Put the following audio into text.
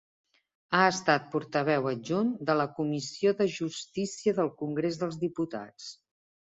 Ha estat portaveu adjunt de la Comissió de Justícia del Congrés dels Diputats.